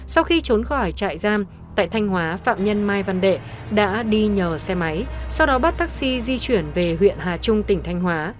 sau khi trốn khỏi trại giam tại thanh hóa phạm nhân mai văn đệ đã đi nhờ xe máy sau đó bắt taxi di chuyển về huyện hà trung tỉnh thanh hóa